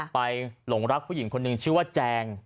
หลงรักผู้หญิงคนหนึ่งชื่อว่าแจง